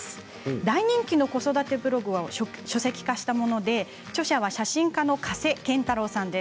大人気の子育てブログを書籍化したもので著者は写真家の加瀬健太郎さんです。